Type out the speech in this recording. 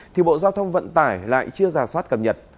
thì bộ giao thông vận tải lại chưa giả soát cập nhật